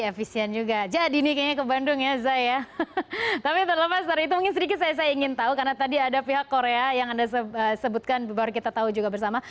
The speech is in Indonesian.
terus ini juga sangat singkat ya jadi efisien juga jadi ini kayaknya ke bandung ya zai ya tapi terlepas dari itu mungkin sedikit saya ingin tahu karena tadi ada pihak korea yang anda sebutkan baru kita tahu juga bersama